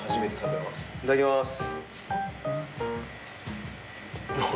いただきます。